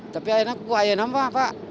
tapi akhirnya aku kebakaran pak